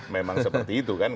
memang seperti itu kan